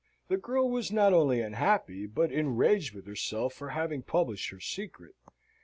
The girl was not only unhappy, but enraged with herself for having published her secret.